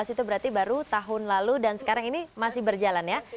dua ribu itu berarti baru tahun lalu dan sekarang ini masih berjalan ya